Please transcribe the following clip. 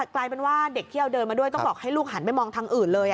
กลายเป็นว่าเด็กที่เอาเดินมาด้วยต้องบอกให้ลูกหันไปมองทางอื่นเลย